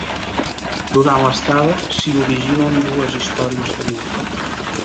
Durant l'estada, s'hi originen dues històries d'amor.